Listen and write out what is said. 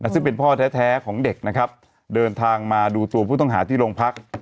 ซึ่งเป็นพ่อแท้ของเด็กนะครับเดินทางมาดูตัวผู้ต้องหาที่โรงพัก